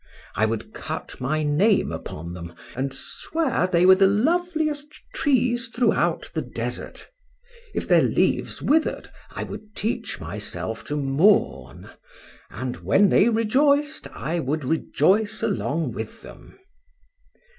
—I would cut my name upon them, and swear they were the loveliest trees throughout the desert: if their leaves wither'd, I would teach myself to mourn; and, when they rejoiced, I would rejoice along with them.